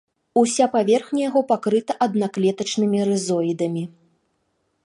Уся паверхня яго пакрыта аднаклетачнымі рызоідамі.